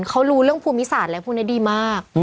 เขารู้เรื่องภูมิศาลและภูมินิดีมาก